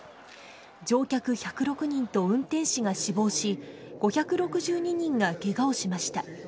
乗客１０６人と運転士が死亡し、５６２人がけがをしました。